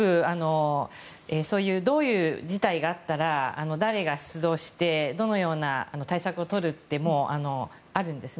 どういう事態があったら誰が出動してどのような対策を取るってもうあるんですね。